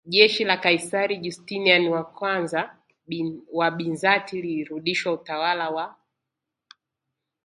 Jeshi la Kaisari Justiniani I wa Bizanti ilirudisha utawala wa